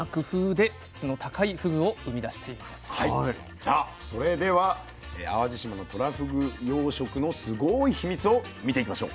じゃあそれでは淡路島のとらふぐ養殖のすごいヒミツを見ていきましょう。